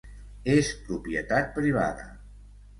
És propietat privada.